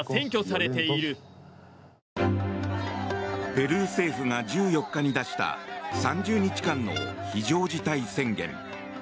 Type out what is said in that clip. ペルー政府が１４日に出した３０日間の非常事態宣言。